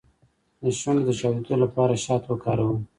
د شونډو د چاودیدو لپاره شات وکاروئ